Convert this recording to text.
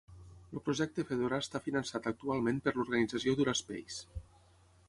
El Projecte Fedora està finançat actualment per l'organització DuraSpace.